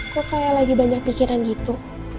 kok kayak lagi banyak pikiran gitu